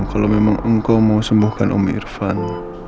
kalau memang engkau mau sembuhkan om irfan